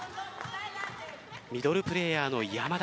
ミドルプレーヤーの山田。